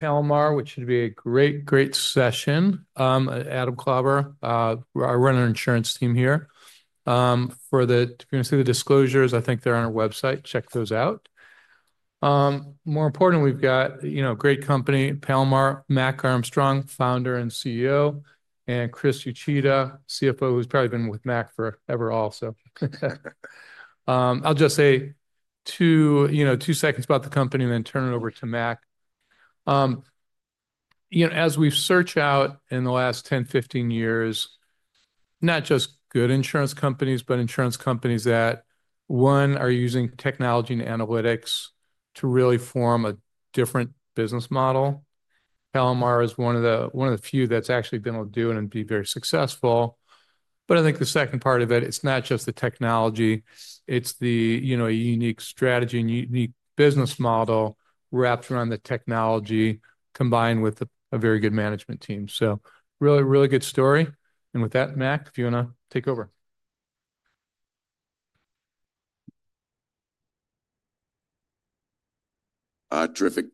Palomar, which should be a great, great session. Adam Klauber, our running insurance team here. For the, if you're going to see the disclosures, I think they're on our website. Check those out. More important, we've got, you know, great company, Palomar, Mac Armstrong, founder and CEO, and Chris Uchida, CFO, who's probably been with Mac forever also. I'll just say two, you know, two seconds about the company and then turn it over to Mac. You know, as we've searched out in the last 10, 15 years, not just good insurance companies, but insurance companies that, one, are using technology and analytics to really form a different business model. Palomar is one of the, one of the few that's actually been able to do it and be very successful. I think the second part of it, it's not just the technology, it's the, you know, a unique strategy and unique business model wrapped around the technology combined with a very good management team. So really, really good story. And with that, Mac, if you want to take over. Terrific.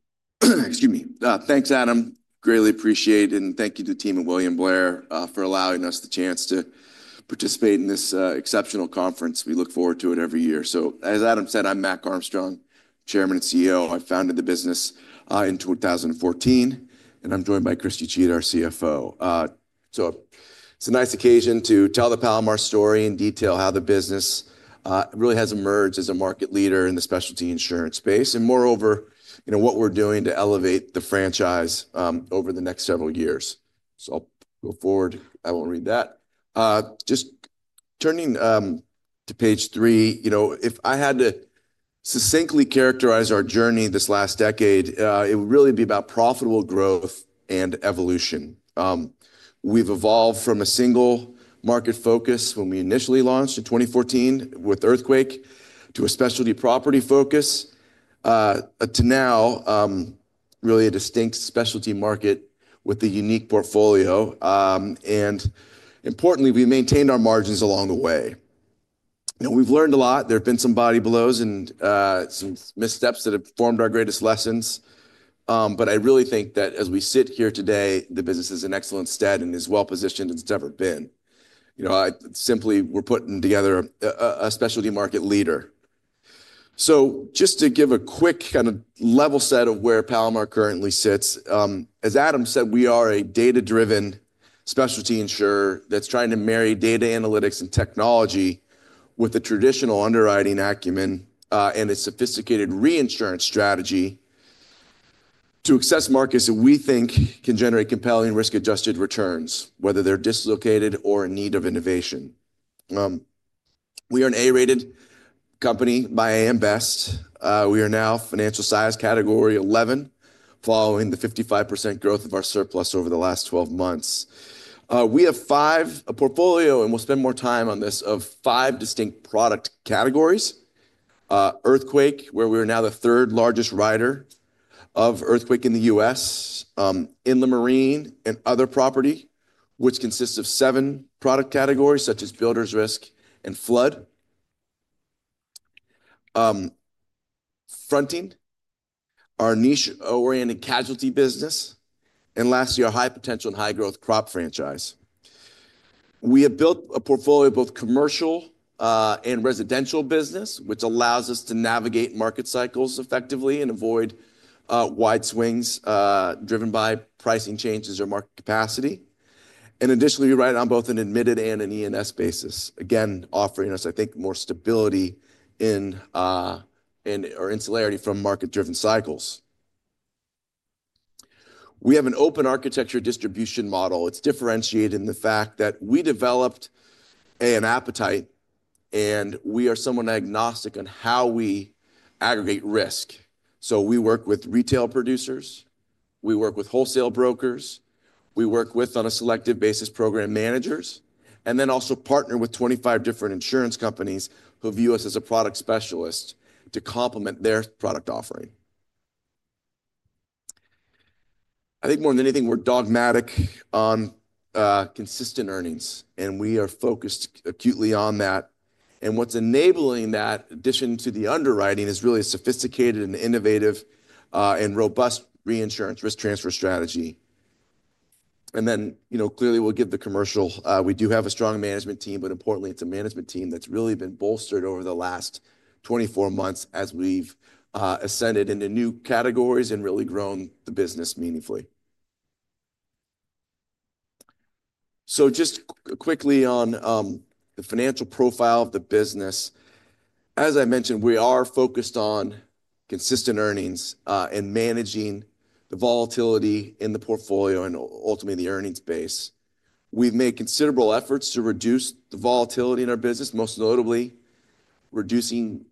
Excuse me. Thanks, Adam. Greatly appreciate it. And thank you to the team at William Blair for allowing us the chance to participate in this exceptional conference. We look forward to it every year. As Adam said, I'm Mac Armstrong, Chairman and CEO. I founded the business in 2014, and I'm joined by Chris Uchida, our CFO. It's a nice occasion to tell the Palomar story in detail, how the business really has emerged as a market leader in the specialty insurance space. Moreover, you know, what we're doing to elevate the franchise over the next several years. I'll go forward. I won't read that. Just turning to page three, you know, if I had to succinctly characterize our journey this last decade, it would really be about profitable growth and evolution. We've evolved from a single market focus when we initially launched in 2014 with Earthquake to a specialty property focus, to now, really a distinct specialty market with a unique portfolio. Importantly, we maintained our margins along the way. We've learned a lot. There have been some body blows and some missteps that have formed our greatest lessons. I really think that as we sit here today, the business is in excellent stead and is as well positioned as it's ever been. You know, I simply, we're putting together a specialty market leader. Just to give a quick kind of level set of where Palomar currently sits, as Adam said, we are a data-driven specialty insurer that's trying to marry data analytics and technology with a traditional underwriting acumen, and a sophisticated reinsurance strategy to access markets that we think can generate compelling risk-adjusted returns, whether they're dislocated or in need of innovation. We are an A-rated company by AM Best. We are now Financial Size Category 11, following the 55% growth of our surplus over the last 12 months. We have a portfolio, and we'll spend more time on this, of five distinct product categories. Earthquake, where we are now the third largest writer of Earthquake in the U.S., in the Marine and other property, which consists of seven product categories, such as Builders' Risk and Flood. Fronting, our niche-oriented casualty business, and lastly, our high potential and high growth crop franchise. We have built a portfolio of both commercial and residential business, which allows us to navigate market cycles effectively and avoid wide swings driven by pricing changes or market capacity. Additionally, we write on both an admitted and an E&S basis, again, offering us, I think, more stability in our insularity from market-driven cycles. We have an open architecture distribution model. It is differentiated in the fact that we developed an appetite, and we are somewhat agnostic on how we aggregate risk. We work with retail producers, we work with wholesale brokers, we work with, on a selective basis, program managers, and then also partner with 25 different insurance companies who view us as a product specialist to complement their product offering. I think more than anything, we're dogmatic on consistent earnings, and we are focused acutely on that. What's enabling that, in addition to the underwriting, is really a sophisticated and innovative, and robust reinsurance risk transfer strategy. You know, clearly, we'll give the commercial, we do have a strong management team, but importantly, it's a management team that's really been bolstered over the last 24 months as we've ascended into new categories and really grown the business meaningfully. Just quickly on the financial profile of the business. As I mentioned, we are focused on consistent earnings, and managing the volatility in the portfolio and ultimately the earnings base. We've made considerable efforts to reduce the volatility in our business, most notably reducing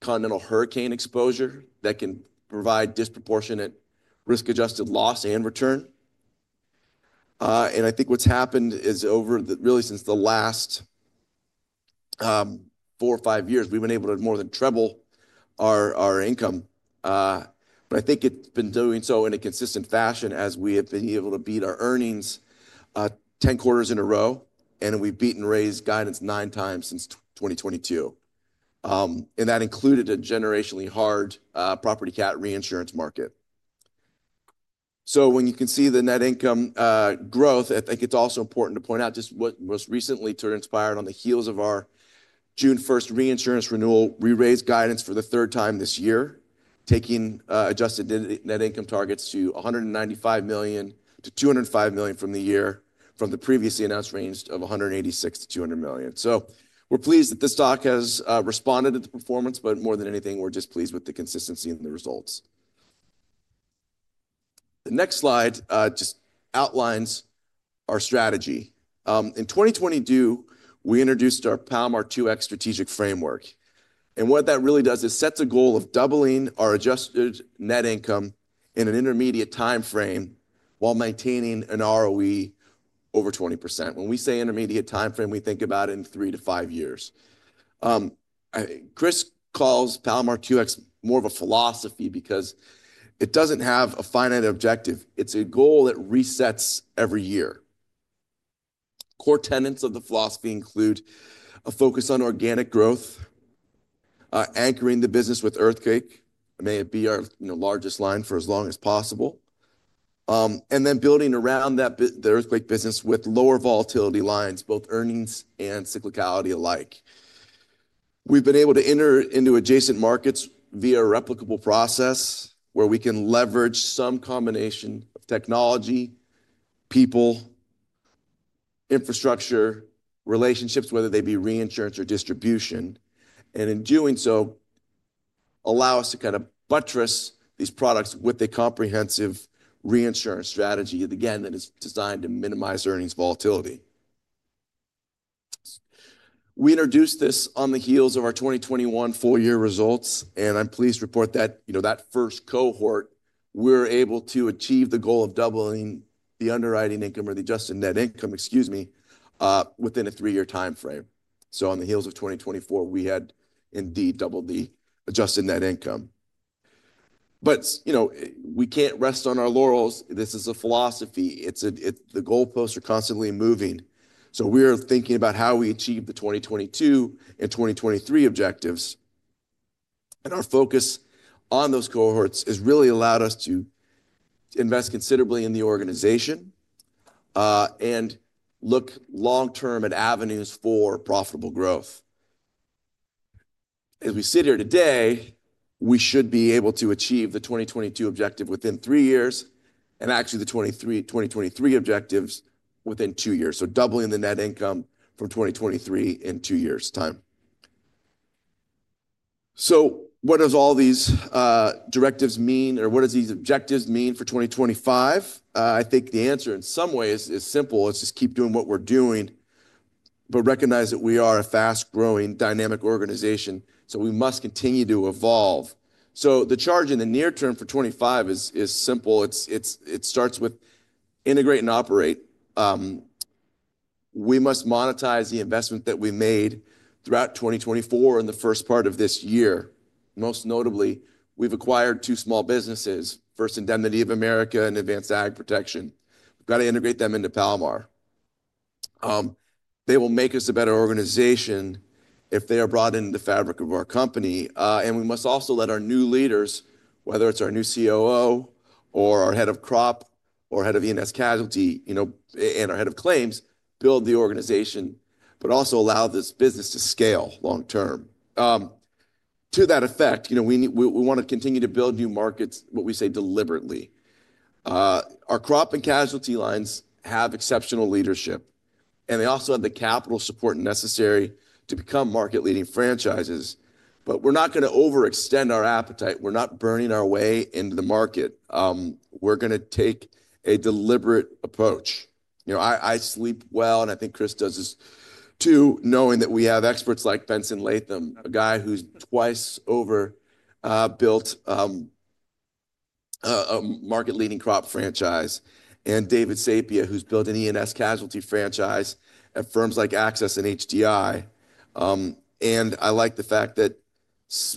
continental hurricane exposure that can provide disproportionate risk-adjusted loss and return. I think what's happened is over the, really, since the last four or five years, we've been able to more than treble our income. I think it's been doing so in a consistent fashion as we have been able to beat our earnings, 10 quarters in a row, and we've beaten raise guidance nine times since 2022. That included a generationally hard property cat reinsurance market. When you can see the net income growth, I think it's also important to point out just what most recently turned inspired on the heels of our June 1st reinsurance renewal, we raised guidance for the third time this year, taking adjusted net income targets to $195 million-$205 million from the previously announced range of $186 million-$200 million. We're pleased that this stock has responded to the performance, but more than anything, we're just pleased with the consistency and the results. The next slide just outlines our strategy. In 2022, we introduced our Palomar 2X strategic framework. What that really does is set a goal of doubling our adjusted net income in an intermediate timeframe while maintaining an ROE over 20%. When we say intermediate timeframe, we think about it in three to five years. I think Chris calls Palomar 2X more of a philosophy because it does not have a finite objective. It's a goal that resets every year. Core tenets of the philosophy include a focus on organic growth, anchoring the business with Earthquake, may it be our, you know, largest line for as long as possible, and then building around that, the Earthquake business with lower volatility lines, both earnings and cyclicality alike. We've been able to enter into adjacent markets via a replicable process where we can leverage some combination of technology, people, infrastructure, relationships, whether they be reinsurance or distribution. In doing so, allow us to kind of buttress these products with a comprehensive reinsurance strategy, again, that is designed to minimize earnings volatility. We introduced this on the heels of our 2021 full year results, and I'm pleased to report that, you know, that first cohort, we're able to achieve the goal of doubling the underwriting income or the adjusted net income, excuse me, within a three-year timeframe. On the heels of 2024, we had indeed doubled the adjusted net income. You know, we can't rest on our laurels. This is a philosophy. It's a, it's the goalposts are constantly moving. We are thinking about how we achieve the 2022 and 2023 objectives. Our focus on those cohorts has really allowed us to invest considerably in the organization, and look long-term at avenues for profitable growth. As we sit here today, we should be able to achieve the 2022 objective within three years and actually the 2023 objectives within two years. Doubling the net income from 2023 in two years' time. What does all these directives mean, or what does these objectives mean for 2025? I think the answer in some ways is simple. It is just keep doing what we are doing, but recognize that we are a fast-growing, dynamic organization. We must continue to evolve. The charge in the near term for 2025 is simple. It starts with integrate and operate. We must monetize the investment that we made throughout 2024 in the first part of this year. Most notably, we've acquired two small businesses, First Indemnity of America and Advanced Ag Protection. We've got to integrate them into Palomar. They will make us a better organization if they are brought into the fabric of our company. We must also let our new leaders, whether it's our new COO or our Head of Crop or Dead of E&S Casualty, you know, and our Head of Claims, build the organization, but also allow this business to scale long-term. To that effect, you know, we want to continue to build new markets, what we say deliberately. Our crop and casualty lines have exceptional leadership, and they also have the capital support necessary to become market-leading franchises. We're not going to overextend our appetite. We're not burning our way into the market. We're going to take a deliberate approach. You know, I sleep well, and I think Chris does this too, knowing that we have experts like Benson Latham, a guy who's twice over built a market-leading crop franchise, and David Sapia, who's built an E&S casualty franchise at firms like AXIS and HDI. I like the fact that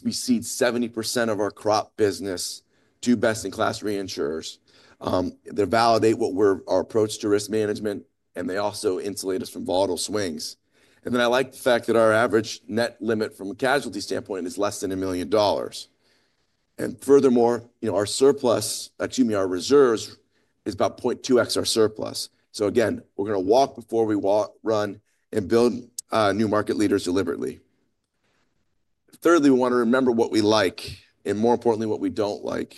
we cede 70% of our crop business to best-in-class reinsurers. They validate our approach to risk management, and they also insulate us from volatile swings. I like the fact that our average net limit from a casualty standpoint is less than $1 million. Furthermore, our reserves is about 0.2x our surplus. Again, we're going to walk before we run and build new market leaders deliberately. Thirdly, we want to remember what we like and, more importantly, what we do not like.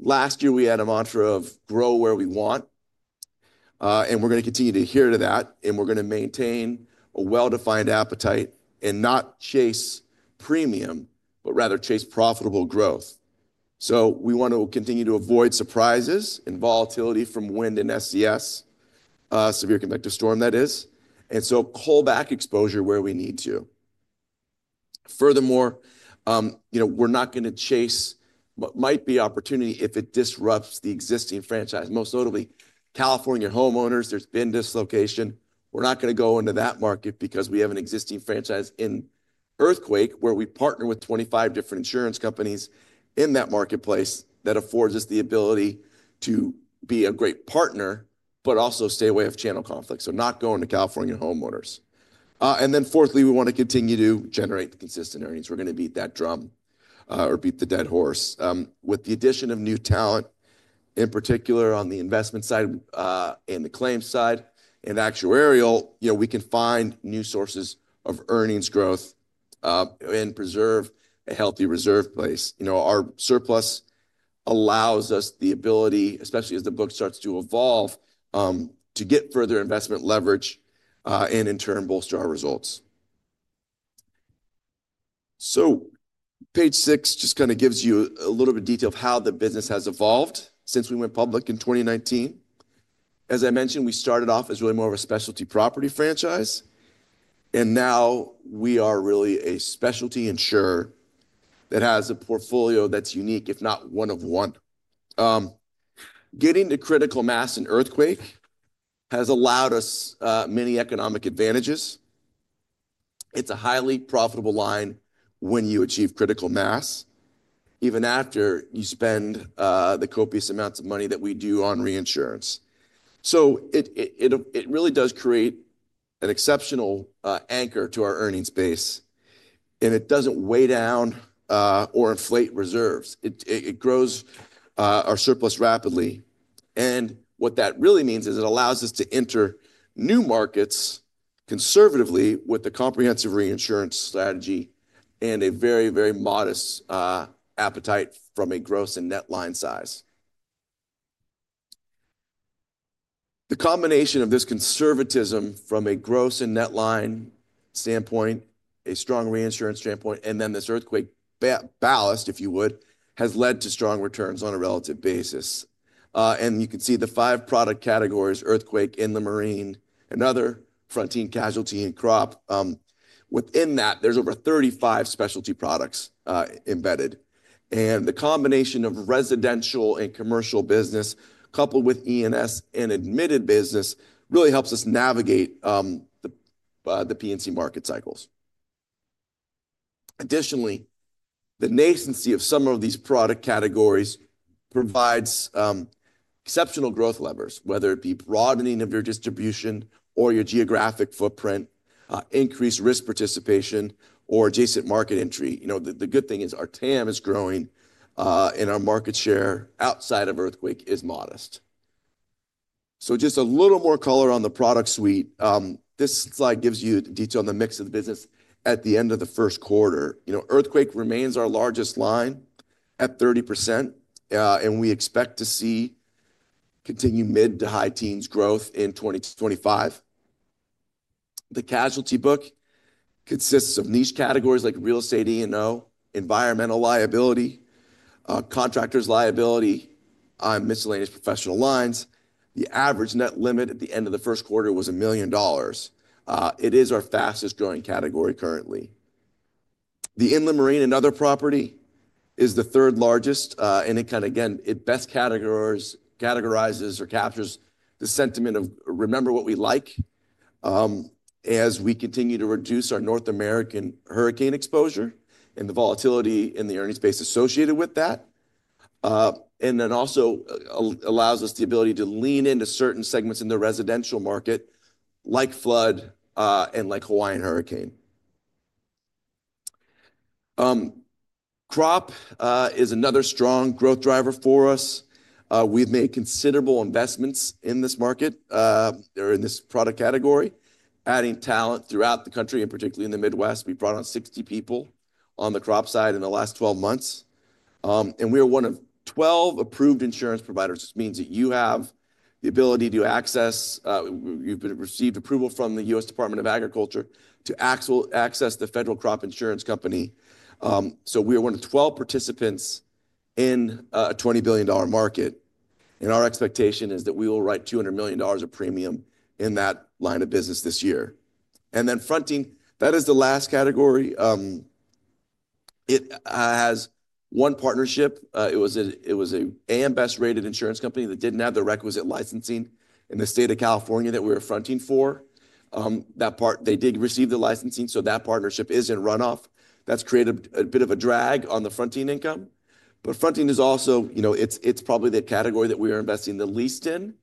Last year, we had a mantra of grow where we want. And we're going to continue to adhere to that, and we're going to maintain a well-defined appetite and not chase premium, but rather chase profitable growth. We want to continue to avoid surprises and volatility from wind and SES, severe convective storm, that is, and so callback exposure where we need to. Furthermore, you know, we're not going to chase what might be opportunity if it disrupts the existing franchise. Most notably, California homeowners, there's been dislocation. We're not going to go into that market because we have an existing franchise in earthquake where we partner with 25 different insurance companies in that marketplace that affords us the ability to be a great partner, but also stay away from channel conflict. Not going to California homeowners. And then fourthly, we want to continue to generate consistent earnings. We're going to beat that drum, or beat the dead horse, with the addition of new talent, in particular on the investment side, and the claims side and actuarial, you know, we can find new sources of earnings growth, and preserve a healthy reserve place. You know, our surplus allows us the ability, especially as the book starts to evolve, to get further investment leverage, and in turn, bolster our results. Page six just kind of gives you a little bit of detail of how the business has evolved since we went public in 2019. As I mentioned, we started off as really more of a specialty property franchise, and now we are really a specialty insurer that has a portfolio that's unique, if not one of one. Getting to critical mass in Earthquake has allowed us many economic advantages. It's a highly profitable line when you achieve critical mass, even after you spend the copious amounts of money that we do on reinsurance. It really does create an exceptional anchor to our earnings base, and it does not weigh down or inflate reserves. It grows our surplus rapidly. What that really means is it allows us to enter new markets conservatively with the comprehensive reinsurance strategy and a very, very modest appetite from a gross and net line size. The combination of this conservatism from a gross and net line standpoint, a strong reinsurance standpoint, and then this earthquake ballast, if you would, has led to strong returns on a relative basis. You can see the five product categories: earthquake, inland marine, and other property, casualty, and crop. Within that, there are over 35 specialty products embedded. The combination of residential and commercial business, coupled with E&S and admitted business, really helps us navigate the P&C market cycles. Additionally, the nascency of some of these product categories provides exceptional growth levers, whether it be broadening of your distribution or your geographic footprint, increased risk participation, or adjacent market entry. You know, the good thing is our TAM is growing, and our market share outside of Earthquake is modest. Just a little more color on the product suite. This slide gives you detail on the mix of the business at the end of the first quarter. You know, Earthquake remains our largest line at 30%, and we expect to see continued mid to high teens growth in 2025. The casualty book consists of niche categories like real estate E&O, environmental liability, contractors liability, miscellaneous professional lines. The average net limit at the end of the first quarter was $1 million. It is our fastest growing category currently. The Inland Marine and other property is the third largest, and it kind of, again, it best categorizes or captures the sentiment of remember what we like, as we continue to reduce our North American hurricane exposure and the volatility in the earnings base associated with that. It also allows us the ability to lean into certain segments in the residential market, like flood, and like Hawaiian hurricane. Crop is another strong growth driver for us. We've made considerable investments in this market, or in this product category, adding talent throughout the country, and particularly in the Midwest. We brought on 60 people on the crop side in the last 12 months. We are one of 12 approved insurance providers. This means that you have the ability to access, you've received approval from the U.S. Department of Agriculture to access the federal crop insurance company. We are one of 12 participants in a $20 billion market. Our expectation is that we will write $200 million of premium in that line of business this year. Fronting, that is the last category. It has one partnership. It was an AM Best rated insurance company that did not have the requisite licensing in the state of California that we were fronting for. That part, they did receive the licensing, so that partnership is in runoff. That has created a bit of a drag on the fronting income. Fronting is also, you know, it's probably the category that we are investing the least in,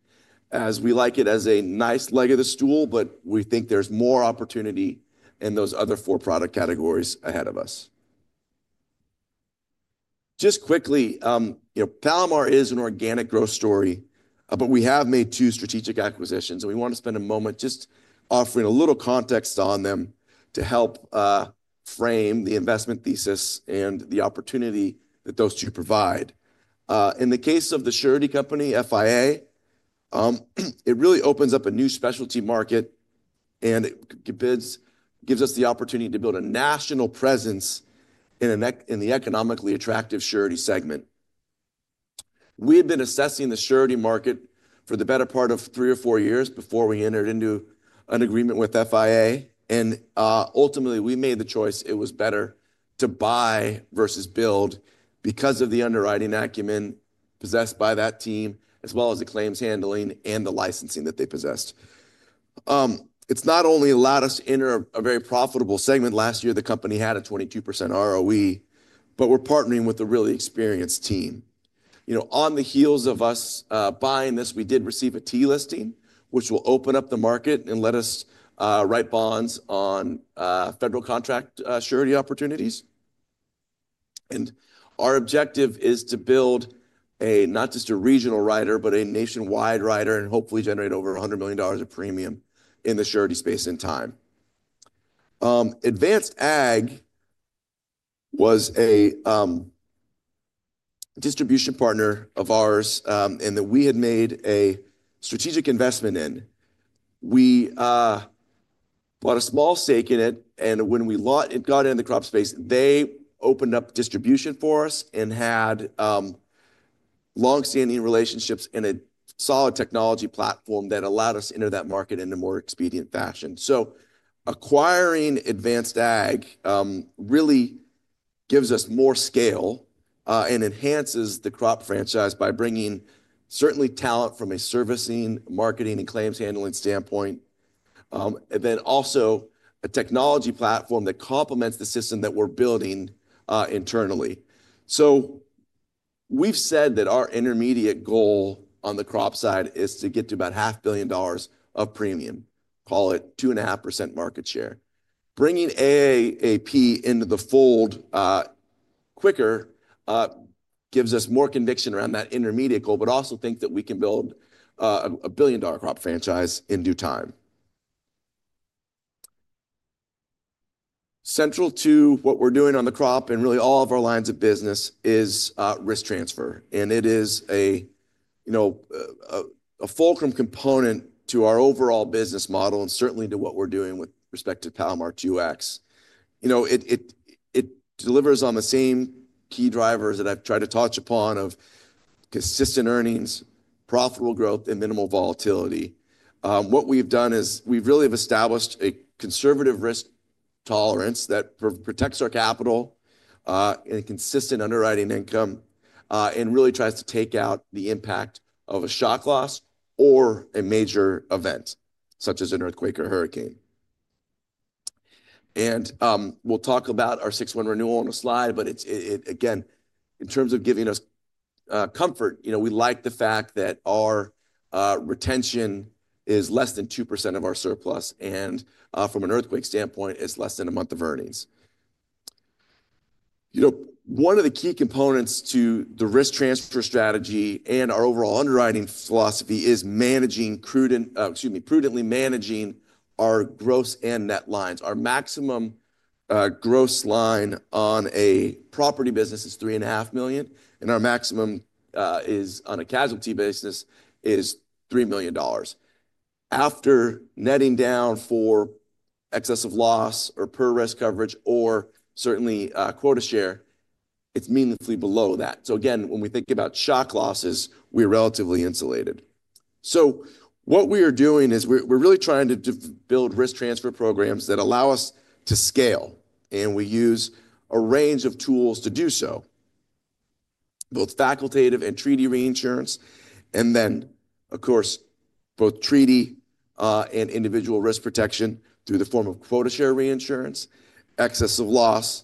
as we like it as a nice leg of the stool, but we think there's more opportunity in those other four product categories ahead of us. Just quickly, you know, Palomar is an organic growth story, but we have made two strategic acquisitions, and we want to spend a moment just offering a little context on them to help frame the investment thesis and the opportunity that those two provide. In the case of the surety company, First Indemnity of America, it really opens up a new specialty market and it gives us the opportunity to build a national presence in an, in the economically attractive surety segment. We had been assessing the surety market for the better part of three or four years before we entered into an agreement with First Indemnity of America. Ultimately, we made the choice it was better to buy versus build because of the underwriting acumen possessed by that team, as well as the claims handling and the licensing that they possessed. It's not only allowed us in a very profitable segment last year, the company had a 22% ROE, but we're partnering with a really experienced team. You know, on the heels of us buying this, we did receive a T-listing, which will open up the market and let us write bonds on federal contract surety opportunities. Our objective is to build a, not just a regional rider, but a nationwide rider and hopefully generate over $100 million of premium in the surety space in time. Advanced Ag was a distribution partner of ours, and that we had made a strategic investment in. We bought a small stake in it, and when we got into the crop space, they opened up distribution for us and had long-standing relationships and a solid technology platform that allowed us to enter that market in a more expedient fashion. Acquiring Advanced Ag really gives us more scale and enhances the crop franchise by bringing certainly talent from a servicing, marketing, and claims handling standpoint, and then also a technology platform that complements the system that we are building internally. We have said that our intermediate goal on the crop side is to get to about $500 million of premium, call it 2.5% market share. Bringing AAP into the fold quicker gives us more conviction around that intermediate goal, but I also think that we can build a $1 billion crop franchise in due time. Central to what we're doing on the crop and really all of our lines of business is, risk transfer. And it is a, you know, a fulcrum component to our overall business model and certainly to what we're doing with respect to Palomar 2X. You know, it delivers on the same key drivers that I've tried to touch upon of consistent earnings, profitable growth, and minimal volatility. What we've done is we've really established a conservative risk tolerance that protects our capital, and consistent underwriting income, and really tries to take out the impact of a shock loss or a major event such as an earthquake or hurricane. We'll talk about our six-month renewal on a slide, but it, again, in terms of giving us, comfort, you know, we like the fact that our retention is less than 2% of our surplus. From an earthquake standpoint, it's less than a month of earnings. You know, one of the key components to the risk transfer strategy and our overall underwriting philosophy is prudently managing our gross and net lines. Our maximum gross line on a property business is $3.5 million, and our maximum is on a casualty business is $3 million. After netting down for excessive loss or per risk coverage or certainly, quota share, it's meaningfully below that. Again, when we think about shock losses, we're relatively insulated. What we are doing is we're really trying to build risk transfer programs that allow us to scale, and we use a range of tools to do so, both facultative and treaty reinsurance, and then, of course, both treaty and individual risk protection through the form of quota share reinsurance, excessive loss,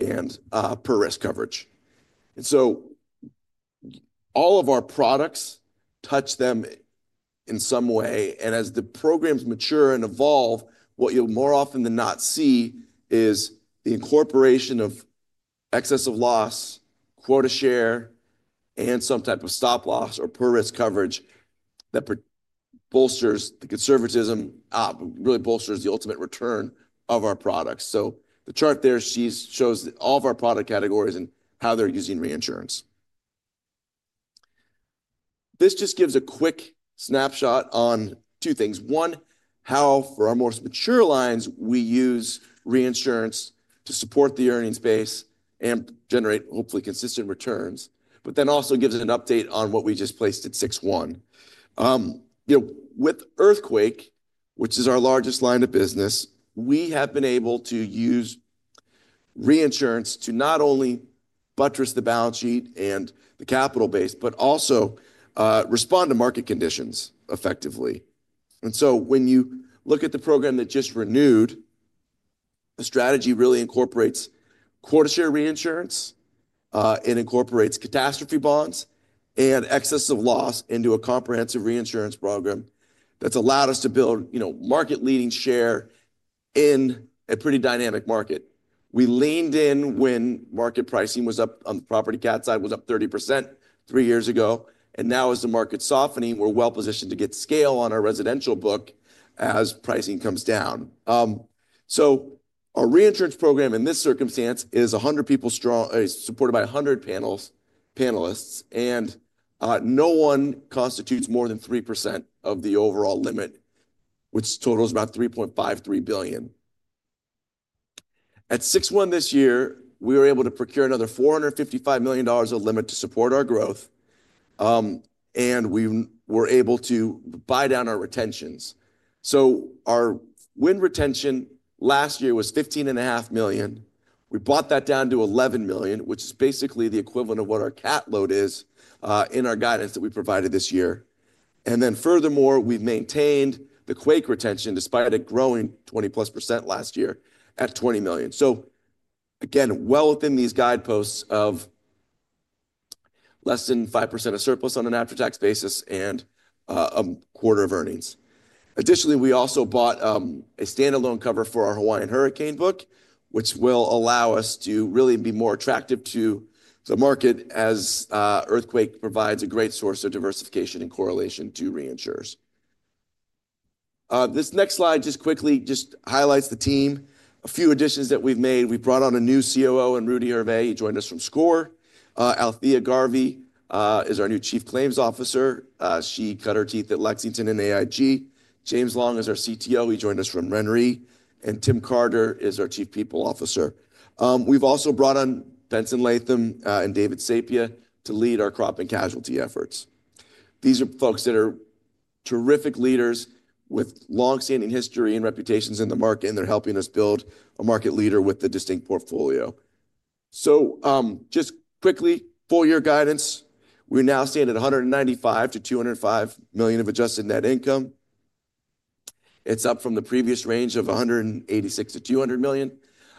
and per risk coverage. All of our products touch them in some way. As the programs mature and evolve, what you'll more often than not see is the incorporation of excessive loss, quota share, and some type of stop loss or per risk coverage that bolsters the conservatism, really bolsters the ultimate return of our products. The chart there shows all of our product categories and how they're using reinsurance. This just gives a quick snapshot on two things. One, how for our most mature lines, we use reinsurance to support the earnings base and generate hopefully consistent returns, but then also gives an update on what we just placed at six-one. You know, with Earthquake, which is our largest line of business, we have been able to use reinsurance to not only buttress the balance sheet and the capital base, but also respond to market conditions effectively. When you look at the program that just renewed, the strategy really incorporates quota share reinsurance, and incorporates catastrophe bonds and excessive loss into a comprehensive reinsurance program that's allowed us to build, you know, market leading share in a pretty dynamic market. We leaned in when market pricing was up on the property cat side, was up 30% three years ago, and now as the market's softening, we're well positioned to get scale on our residential book as pricing comes down. Our reinsurance program in this circumstance is 100 people strong, is supported by 100 panels, panelists, and no one constitutes more than 3% of the overall limit, which totals about $3.53 billion. At six-one this year, we were able to procure another $455 million of limit to support our growth. We were able to buy down our retentions. Our win retention last year was $15.5 million. We brought that down to $11 million, which is basically the equivalent of what our cat load is, in our guidance that we provided this year. Furthermore, we've maintained the quake retention despite a growing 20% plus last year at $20 million. Again, well within these guideposts of less than 5% of surplus on an after-tax basis and a quarter of earnings. Additionally, we also bought a standalone cover for our Hawaiian hurricane book, which will allow us to really be more attractive to the market as earthquake provides a great source of diversification and correlation to reinsurers. This next slide just quickly highlights the team, a few additions that we've made. We brought on a new COO in Rudy Hervé. He joined us from SCOR. Althea Garvey is our new Chief Claims Officer. She cut her teeth at Lexington and AIG. James Long is our CTO. He joined us from RenaissanceRE, and Tim Carter is our Chief People Officer. We've also brought on Benson Latham and David Sapia to lead our crop and casualty efforts. These are folks that are terrific leaders with long-standing history and reputations in the market, and they're helping us build a market leader with the distinct portfolio. Just quickly, full year guidance, we're now standing at $195 million-$205 million of adjusted net income. It's up from the previous range of $186 million-$200 million,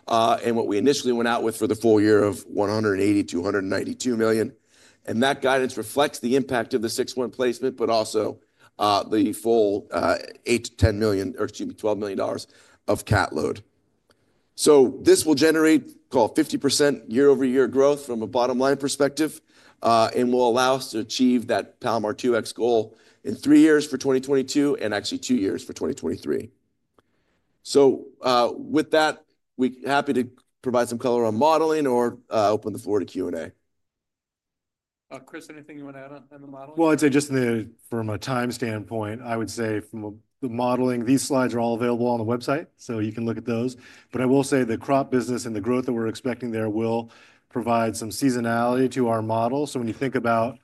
and what we initially went out with for the full year of $180 million-$192 million. That guidance reflects the impact of the 6-1 placement, but also the full $8 million-$10 million, or excuse me, $12 million of cat load. This will generate, call it 50% year-over-year growth from a bottom-line perspective, and will allow us to achieve that Palomar 2X goal in three years for 2022 and actually two years for 2023. With that, we're happy to provide some color on modeling or open the floor to Q&A. Chris, anything you want to add on the modeling? I'd say just from a time standpoint, I would say from the modeling, these slides are all available on the website, so you can look at those. I will say the crop business and the growth that we're expecting there will provide some seasonality to our model. When you think about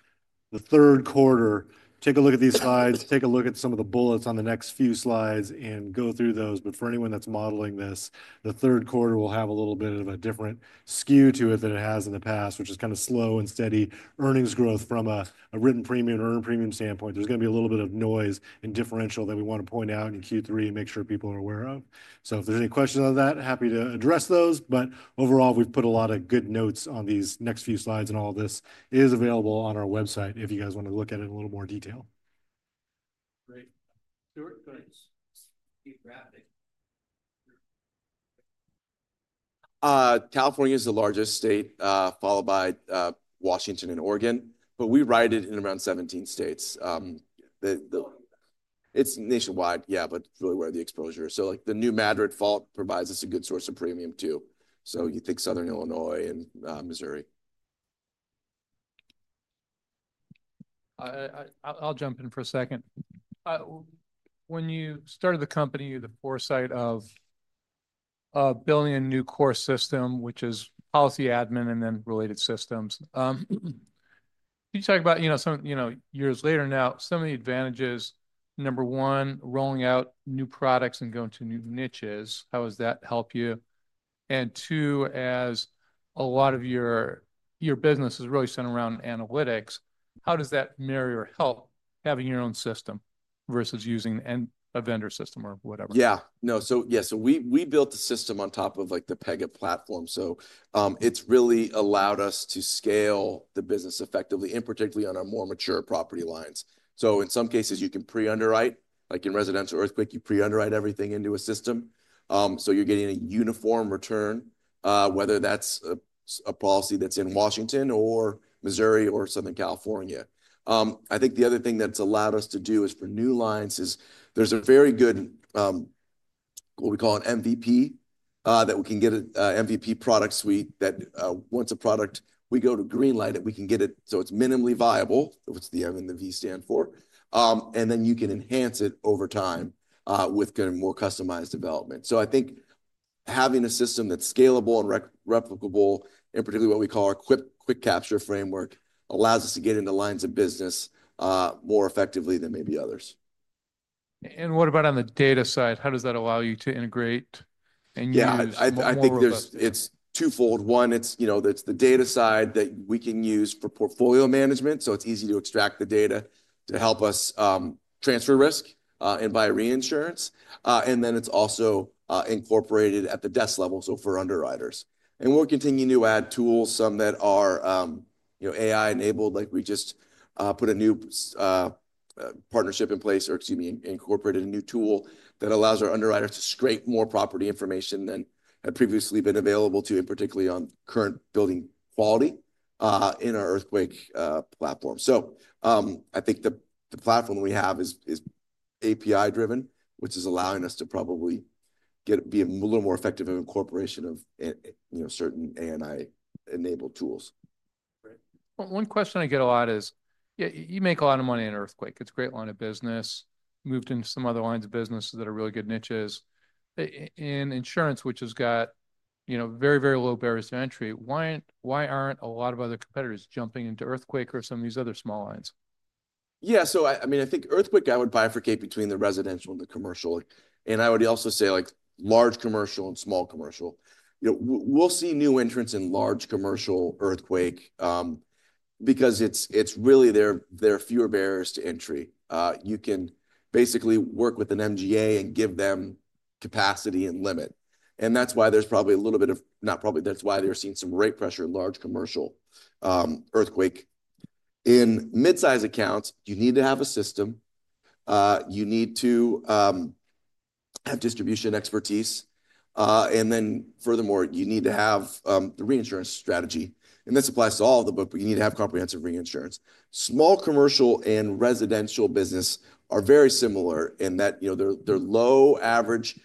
the third quarter, take a look at these slides, take a look at some of the bullets on the next few slides and go through those. For anyone that's modeling this, the third quarter will have a little bit of a different skew to it than it has in the past, which is kind of slow and steady earnings growth from a written premium and earned premium standpoint. There's going to be a little bit of noise and differential that we want to point out in Q3 and make sure people are aware of. If there's any questions on that, happy to address those. Overall, we've put a lot of good notes on these next few slides, and all of this is available on our website if you guys want to look at it in a little more detail. Great. Sure. Thanks. Keep wrapping. California is the largest state, followed by Washington and Oregon, but we write it in around 17 States. It's nationwide, yeah, but really where the exposure is. Like the New Madrid fault provides us a good source of premium too. You think Southern Illinois and Missouri. I'll jump in for a second. When you started the company, you had the foresight of building a new core system, which is policy admin and then related systems. Can you talk about, you know, some, you know, years later now, some of the advantages, number one, rolling out new products and going to new niches, how does that help you? And two, as a lot of your business is really centered around analytics, how does that mirror or help having your own system versus using a vendor system or whatever? Yeah, no, so yeah, we built the system on top of the Pega platform. It has really allowed us to scale the business effectively, and particularly on our more mature property lines. In some cases, you can pre-underwrite, like in residential earthquake, you pre-underwrite everything into a system. You're getting a uniform return, whether that's a policy that's in Washington or Missouri or Southern California. I think the other thing that's allowed us to do for new lines is there's a very good, what we call an MVP, that we can get, a MVP product suite that, once a product we go to greenlight it, we can get it so it's Minimum Viable, which is what the M and the V stand for. You can enhance it over time with kind of more customized development. I think having a system that's scalable and replicable, and particularly what we call our quick capture framework, allows us to get into lines of business more effectively than maybe others. What about on the data side? How does that allow you to integrate and use? Yeah, I think there's, it's twofold. One, it's, you know, it's the data side that we can use for portfolio management. So it's easy to extract the data to help us, transfer risk, and buy reinsurance. And then it's also incorporated at the desk level. So for underwriters, and we're continuing to add tools, some that are, you know, AI enabled, like we just put a new partnership in place, or excuse me, incorporated a new tool that allows our underwriters to scrape more property information than had previously been available to, and particularly on current building quality, in our earthquake platform. So, I think the platform we have is API driven, which is allowing us to probably get, be a little more effective in incorporation of, you know, certain AI enabled tools. Great. One question I get a lot is, you make a lot of money in earthquake. It's a great line of business. Moved into some other lines of business that are really good niches in insurance, which has got, you know, very, very low barriers to entry. Why aren't a lot of other competitors jumping into earthquake or some of these other small lines? Yeah, I mean, I think Earthquake, I would bifurcate between the residential and the commercial. And I would also say like large commercial and small commercial, you know, we'll see new entrants in large commercial earthquake, because there are fewer barriers to entry. You can basically work with an MGA and give them capacity and limit. That is why there is probably a little bit of, not probably, that is why they are seeing some rate pressure in large commercial, earthquake. In mid-size accounts, you need to have a system. You need to have distribution expertise. Furthermore, you need to have the reinsurance strategy. This applies to all of the book, but you need to have comprehensive reinsurance. Small commercial and residential business are very similar in that, you know, they are low average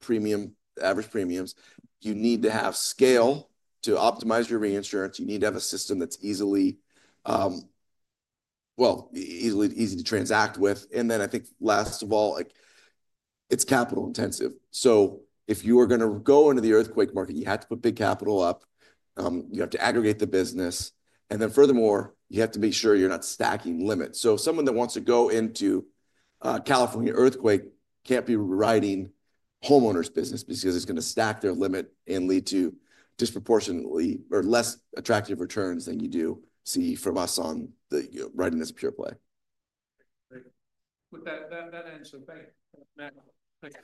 premium, average premiums. You need to have scale to optimize your reinsurance. You need to have a system that is easily, well, easily, easy to transact with. I think last of all, it is capital intensive. If you are going to go into the earthquake market, you have to put big capital up. You have to aggregate the business. Furthermore, you have to make sure you're not stacking limits. Someone that wants to go into California earthquake can't be writing homeowners business because it's going to stack their limit and lead to disproportionately or less attractive returns than you do see from us on writing this pure play. Great. With that answer, thanks.